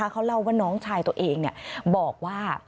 เขาเล่าว่าน้องชายตัวเองบอกว่า